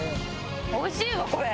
美味しいわこれ！